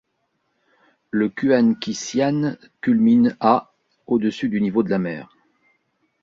Le Kuan Ki Sian culmine à au-dessus du niveau de la mer.